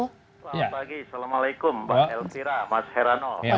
selamat pagi assalamualaikum pak elpira mas herano